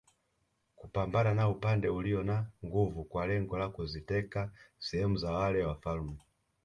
Kupambana na upande ulio na nguvu kwa lengo la kuziteka sehemu za wale wafalme